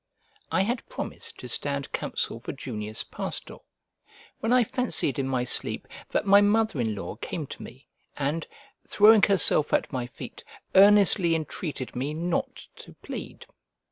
I had promised to stand counsel for Junius Pastor; when I fancied in my sleep that my mother in law came to me, and, throwing herself at my feet, earnestly entreated me not to plead.